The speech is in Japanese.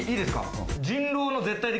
いいですか？